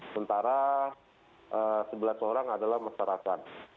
sementara sebelas orang adalah masyarakat